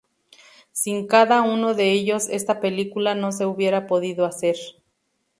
Sin cada uno de ellos, esta película no se hubiera podido hacer.